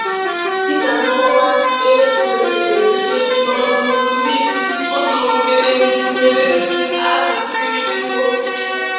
Dịka nkọwa e nwetere site n'ọnụ ndị ọnọmgbeomere ahụ siri kwuo